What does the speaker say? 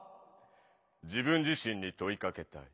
自分自しんにといかけたい。